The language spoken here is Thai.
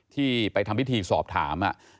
ที่ไปทำพิธีสอบถาม